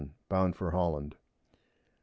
bound for Holland.